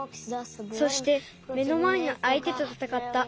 そして目のまえのあいてとたたかった。